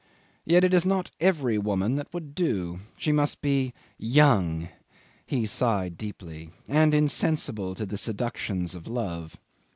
Yet it is not every woman that would do. She must be young he sighed deeply and insensible to the seductions of love.